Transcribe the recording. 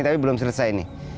tapi belum selesai nih